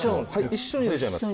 一緒に入れちゃいます。